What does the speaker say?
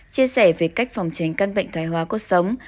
chia sẻ về cách phòng tránh căn bệnh thoài hóa cột sống